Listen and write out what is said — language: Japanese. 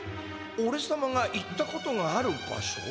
おれさまが行ったことがある場所？